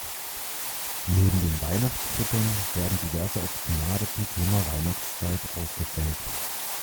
Neben den Weihnachtskrippen werden diverse Exponate zum Thema Weihnachtszeit ausgestellt.